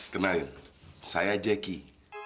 kenalin saya jackie